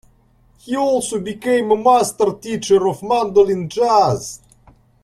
He also became a master teacher of mandolin jazz.